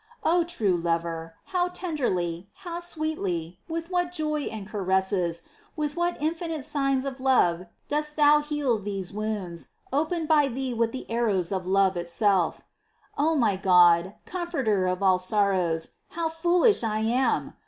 3. O true Lover ! how tenderly, how sweetly, with what joy and caresses, with what inñnite signs of love dost Thou heal these wounds, opened by Thee with the arrows of love itself ! 4. O my God, comforter of all sorrows, how foolish I am